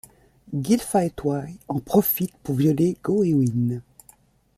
Gilfaethwy en profite pour violer Goewin.